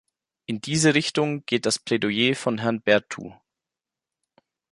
In diese Richtung geht das Plädoyer von Herrn Berthu.